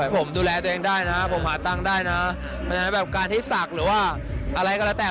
ผมดูแลตัวเองได้ผมหาตั้งได้การที่ศักดิ์หรือว่าอะไรก็และแต่